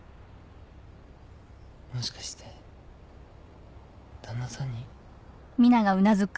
もしかして旦那さんに？